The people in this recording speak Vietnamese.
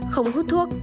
không hút thuốc